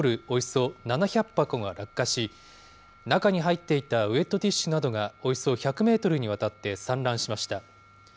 およそ７００箱が落下し、中に入っていたウエットティッシュなどがおよそ１００メートルにわたって散乱しました。